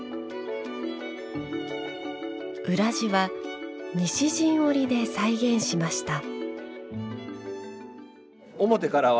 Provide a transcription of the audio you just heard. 裏地は、西陣織で再現しました。